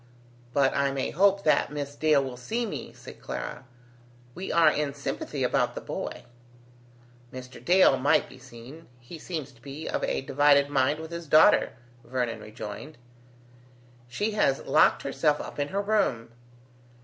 "But I may hope that Miss Dale will see me," said Clara. "We are in sympathy about the boy." "Mr. Dale might be seen. He seems to be of a divided mind with his daughter," Vernon rejoined. "She has locked herself up in her room."